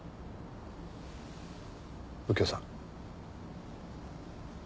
右京さん。